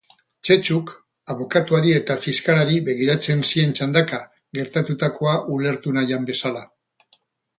Txetxuk abokatuari eta fiskalari begiratzen zien txandaka, gertatutakoa ulertu nahian bezala.